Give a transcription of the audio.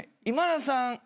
今田さん